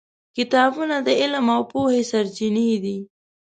کتابونه د علم او پوهې سرچینې دي.